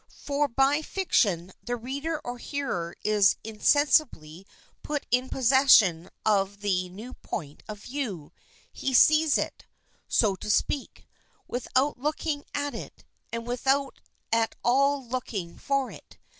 For by fiction the reader or hearer is insensibly put in possession of the new point of view ; he sees it, so to speak, with out looking at it and without at all looking for it.